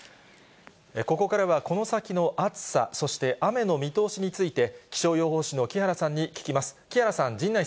ここからは、この先の暑さ、そして雨の見通しについて、気象予報士の木原さんに聞きます。